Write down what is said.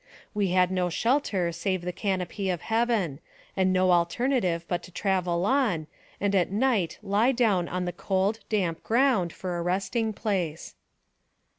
We had no shelter save the canopy of heaven, and no alternative but to travel on, and at night lie down on the cold, damp ground, for a resting place.